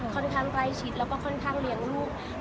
ค่อนข้างใกล้ชิดแล้วก็ค่อนข้างเลี้ยงลูก